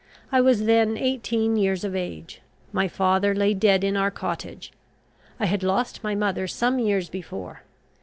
I was then eighteen years of age. My father lay dead in our cottage. I had lost my mother some years before.